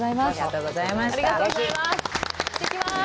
行ってきます！